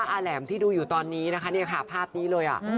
อาแหลมที่ดูอยู่ตอนนี้นะคะภาพนี้เลย